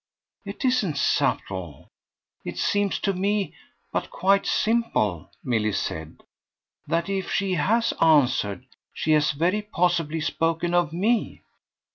"It isn't subtle, it seems to me, but quite simple," Milly said, "that if she has answered she has very possibly spoken of me."